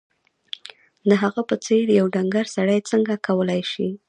د هغه په څېر یو ډنګر سړی څنګه کولای شي